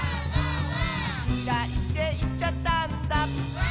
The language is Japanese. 「きらいっていっちゃったんだ」